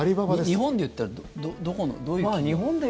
日本で言ったらどういう企業？